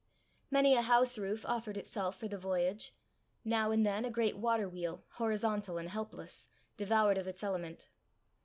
Many a house roof offered itself for the voyage; now and then a great water wheel, horizontal and helpless, devoured of its element.